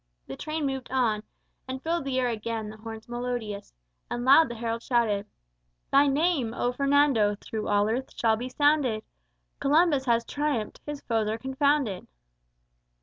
The train moved on, And filled the air again the horns melodious, And loud the heralds shouted: "_Thy name, O Fernando, through all earth shall be sounded, Columbus has triumphed, his foes are confounded!